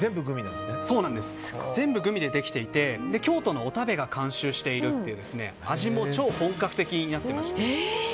全部グミでできていて京都のおたべが監修していて味も超本格的になってまして。